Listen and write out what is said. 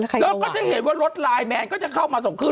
แล้วก็จะเห็นว่ารถไลน์แมนก็จะเข้ามาส่งขึ้น